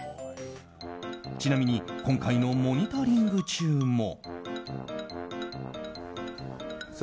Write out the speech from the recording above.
ちなみに今回のモニタリング中も。